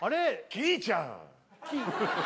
きいちゃん！